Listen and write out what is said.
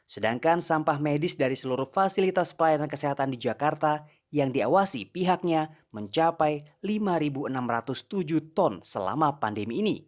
sedangkan sampah medis dari seluruh fasilitas pelayanan kesehatan di jakarta yang diawasi pihaknya mencapai lima enam ratus tujuh ton selama pandemi ini